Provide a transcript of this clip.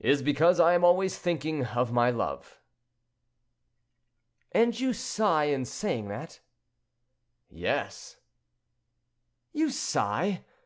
"Is because I am always thinking of my love." "And you sigh in saying that?" "Yes." "You sigh?